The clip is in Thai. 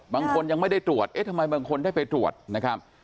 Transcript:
บางคนยังไม่ได้ตรวจเอ๊ะทำไมบางคนได้ไปตรวจนะครับ